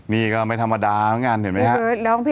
นี่ก็ไม่ธรรมดาเหมือนกันเห็นไหมครับ